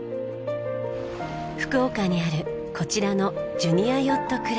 福岡にあるこちらのジュニアヨットクラブ。